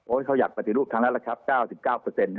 โอ้ยเขาอยากปฏิรูปครั้งละครับ๙๙ครับ